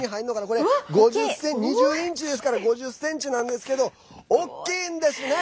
これ、２０インチですから５０ｃｍなんですけど大きいんですね！